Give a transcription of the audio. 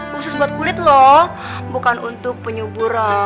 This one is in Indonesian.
khusus buat kulit loh bukan untuk penyubur kandungan